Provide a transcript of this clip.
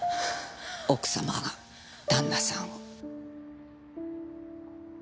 奥様が旦那さんを。